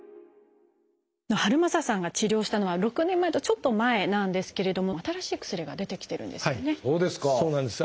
遥政さんが治療したのは６年前とちょっと前なんですけれども新しい薬が出てきてるんですよね。